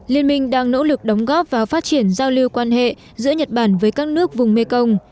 liên minh đang nỗ lực đóng góp vào phát triển giao lưu quan hệ giữa nhật bản với các nước vùng mekong